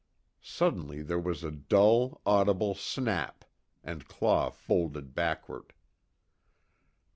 Suddenly there was a dull audible snap and Claw folded backward.